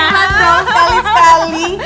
iya iya dong sekali sekali